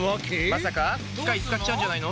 まさか機械使っちゃうんじゃないの？